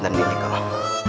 ustadz dan binti kemampuan